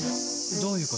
どういう事？